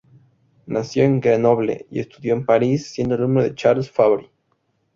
Nació en Grenoble y estudió en París, siendo alumno de Charles Fabry.